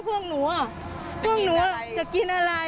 พวกหนูจะกินอะไร